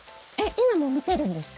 今見てるんですね？